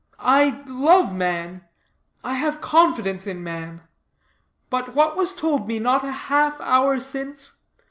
I love man. I have confidence in man. But what was told me not a half hour since?